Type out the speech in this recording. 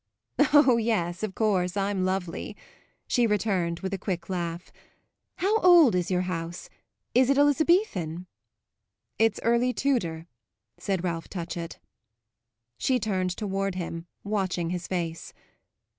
"Oh yes, of course I'm lovely!" she returned with a quick laugh. "How old is your house? Is it Elizabethan?" "It's early Tudor," said Ralph Touchett. She turned toward him, watching his face.